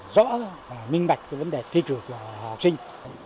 rõ và minh bạch vấn đề thi trường của học sinh